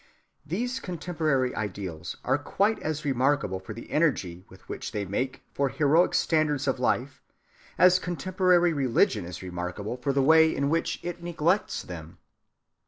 These contemporary ideals are quite as remarkable for the energy with which they make for heroic standards of life, as contemporary religion is remarkable for the way in which it neglects them.